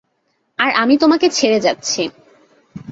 আর আমি তোমাকে ছেড়ে যাচ্ছি।